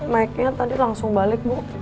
naiknya tadi langsung balik bu